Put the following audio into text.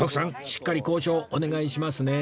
しっかり交渉お願いしますね